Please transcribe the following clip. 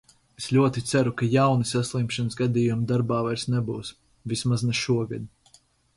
Es ļoti ceru, ka jauni saslimšanas gadījumi darbā vairs nebūs, vismaz ne šogad.